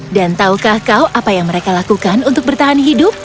dan tahukah kau apa yang mereka lakukan untuk bertahan hidup